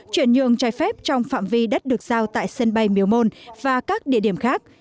chuyển nhường trái phép trong phạm vi đất được giao tại sân bay miếu môn và các địa điểm khác